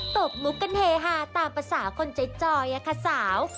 ตบมุกกันเฮฮาตามภาษาคนใจจอยค่ะสาว